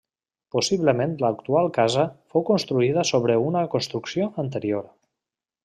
Possiblement l'actual casa fou construïda sobre una construcció anterior.